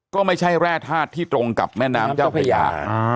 ก็ไม่ใช่แร่ธาตุที่ตรงกับแม่น้ำเจ้าพระยา